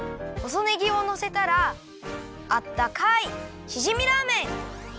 ほそねぎをのせたらあったかいしじみラーメン！